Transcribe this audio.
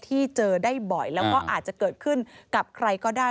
ที่เจอได้บ่อยแล้วก็อาจจะเกิดขึ้นกับใครก็ได้